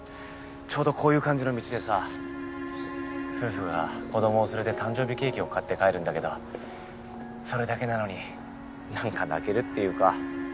ちょうどこういう感じの道でさ夫婦が子どもを連れて誕生日ケーキを買って帰るんだけどそれだけなのに何か泣けるっていうか。